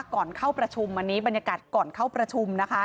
ก่อนเข้าประชุมอันนี้บรรยากาศก่อนเข้าประชุมนะคะ